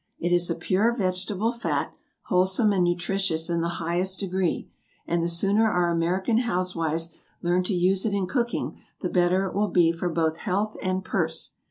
It is a pure vegetable fat, wholesome and nutritious in the highest degree; and the sooner our American housewives learn to use it in cooking the better it will be for both health and purse.